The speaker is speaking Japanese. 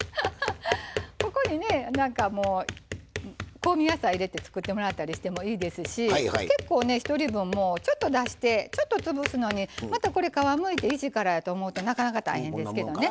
ここにねなんかもう香味野菜入れて作ってもらったりしてもいいですし結構１人分もうちょっと出してちょっと潰すのにまたこれ皮むいて一からやと思うとなかなか大変ですけどね。